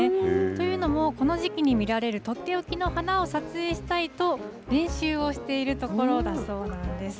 というのも、この時期に見られる取って置きの花を撮影したいと、練習をしているところだそうなんです。